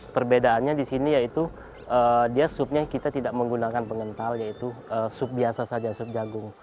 perbedaannya di sini yaitu dia supnya kita tidak menggunakan pengental yaitu sup biasa saja sup jagung